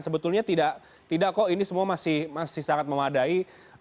sebetulnya tidak kok ini semua masih sangat memadai